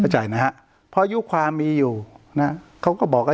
เข้าใจนะฮะเพราะยุคความมีอยู่นะฮะเขาก็บอกอ่ะ